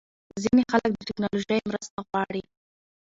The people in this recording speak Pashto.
ځینې خلک د ټېکنالوژۍ مرسته غواړي.